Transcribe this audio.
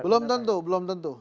belum tentu belum tentu